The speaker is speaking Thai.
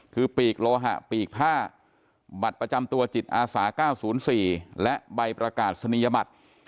คือปีกโลหะปีกผ้าบัตรประจำตัวจิตอาสา๙๐๔และใบประกาศนียบัตร